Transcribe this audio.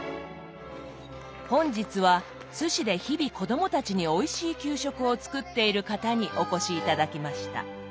本日は津市で日々子供たちにおいしい給食を作っている方にお越し頂きました。